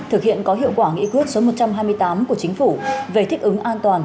thực hiện có hiệu quả nghị quyết số một trăm hai mươi tám của chính phủ về thích ứng an toàn